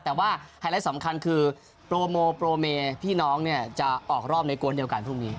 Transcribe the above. แต่ว่าไฮไลท์สำคัญคือโปรโมโปรเมพี่น้องเนี่ยจะออกรอบในกวนเดียวกันพรุ่งนี้